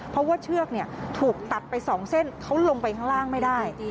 เพราะว่าเชือกถูกตัดไป๒เส้นเขาลงไปข้างล่างไม่ได้